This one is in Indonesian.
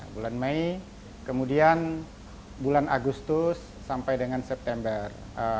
bulan mei kemudian bulan agustus sampai dengan september